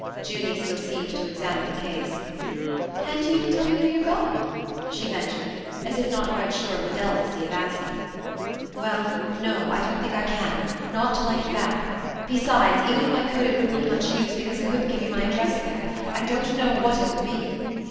Junie still seemed to examine the case. "Can't you even tell me where you're going?" she ventured, as if not quite sure of the delicacy of asking. "Well no, I don't think I can; not till I get back. Besides, even if I could it wouldn't be much use, because I couldn't give you my address there. I don't know what it will be."